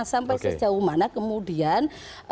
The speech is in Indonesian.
sampai sejauh mana kemudian